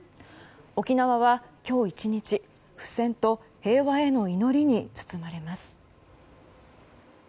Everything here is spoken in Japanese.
沖縄は今日１日、不戦と平和への祈りに包まれます。